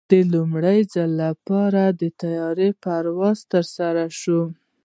د لومړي ځل لپاره د طیارې پرواز ترسره شو.